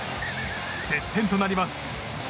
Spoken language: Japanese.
接戦となります。